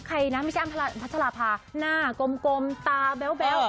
ใครนะไม่ใช่อ้ำพัชราภาหน้ากลมตาแบ๊ว